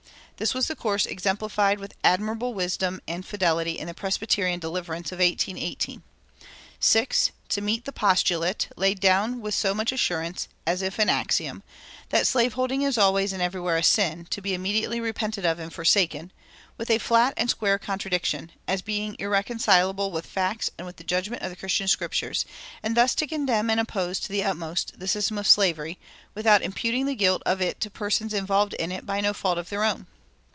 This was the course exemplified with admirable wisdom and fidelity in the Presbyterian "deliverance" of 1818. (6) To meet the postulate, laid down with so much assurance, as if an axiom, that "slave holding is always and everywhere a sin, to be immediately repented of and forsaken," with a flat and square contradiction, as being irreconcilable with facts and with the judgment of the Christian Scriptures; and thus to condemn and oppose to the utmost the system of slavery, without imputing the guilt of it to persons involved in it by no fault of their own.